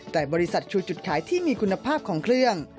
แต่บริษัทชูจุดขายที่มีคุณภาพของเครื่อง